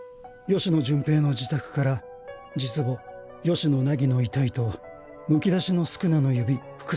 吉野順平の自宅から実母・吉野凪の遺体とむき出しの宿儺の指副